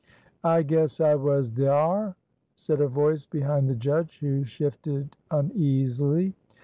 "I guess I was thyar," said a voice behind the judge, who shifted uneasily.